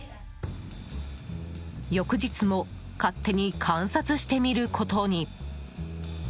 翌日も勝手に観察してみることに。